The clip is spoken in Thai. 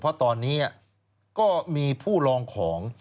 เพราะตอนนี้ก็มีผู้ลองของ